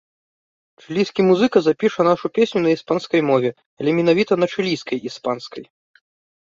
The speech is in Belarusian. Чылійскі музыка запіша нашу песню на іспанскай мове, але менавіта на чылійскай іспанскай.